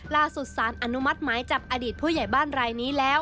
ล่าสุดสานอนุมัติใหม่จับอนุมัติผู้ใหญ่บ้านรายนี้แล้ว